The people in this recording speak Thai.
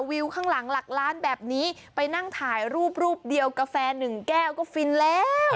วิวข้างหลังหลักล้านแบบนี้ไปนั่งถ่ายรูปรูปเดียวกาแฟหนึ่งแก้วก็ฟินแล้ว